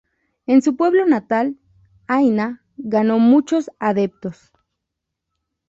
En su pueblo natal, Haina, ganó muchos adeptos.